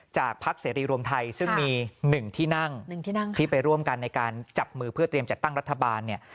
พักเสรีรวมไทยซึ่งมี๑ที่นั่งที่ไปร่วมกันในการจับมือเพื่อเตรียมจัดตั้งรัฐบาลเนี่ย